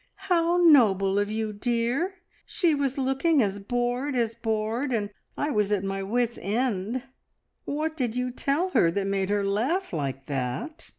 "How noble of you, dear! She was looking as bored as bored, and I was at my wits' end. What did you tell her that made her laugh like that?"